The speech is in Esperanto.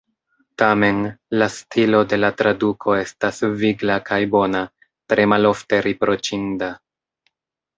Tamen, la stilo de la traduko estas vigla kaj bona, tre malofte riproĉinda.